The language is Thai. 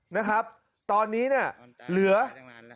นะครับตอนนี้เนี่ย